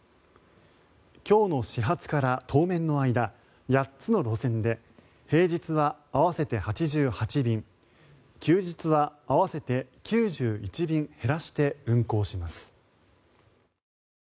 今日の始発から当面の間８つの路線で平日は合わせて８８便休日は合わせて９１便減らして運行します。